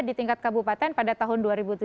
di tingkat kabupaten pada tahun dua ribu tujuh belas